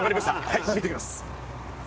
はい見ときます。